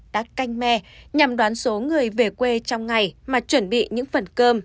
đã canh me nhằm đoán số người về quê trong ngày mà chuẩn bị những phần cơm